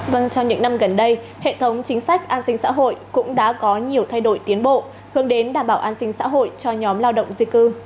vâng trong những năm gần đây hệ thống chính sách an sinh xã hội cũng đã có nhiều thay đổi tiến bộ hướng đến đảm bảo an sinh xã hội cho nhóm lao động di cư